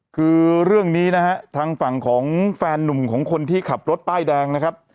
คือเรื่องนี้นะฮะทางฝั่งของแฟนนุ่มของคนที่ขับรถป้ายแดงนะครับ